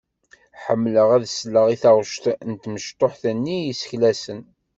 Ḥemmleɣ ad sleɣ i taɣect n tmecṭuḥt-nni i yesseklasen.